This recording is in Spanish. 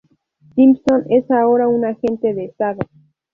Simpson es ahora un agente de Estado.